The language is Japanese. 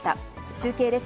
中継です。